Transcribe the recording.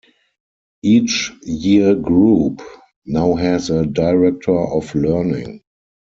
Each year group now has a Director of Learning.